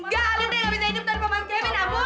enggak alda gak bisa hidup tanpa mas kevin ambo